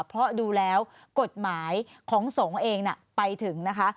เพราะดูแล้วกฎหมายของสงฆ์เองไปถึงนะคะ